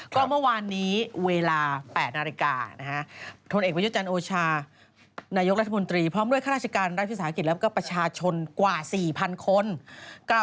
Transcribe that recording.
ก็เมื่อวานนี้เวลา๘นาฬิกา